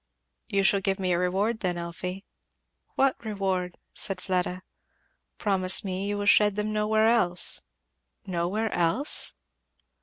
"You shall give me a reward then. Elfie." "What reward?" said Fleda. "Promise me that you will shed them nowhere else." "Nowhere else?